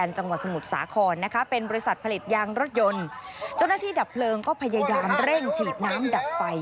เจ้าหน้าที่ดับเพลิงก็พยายามเร่งฉีดน้ำดับไฟ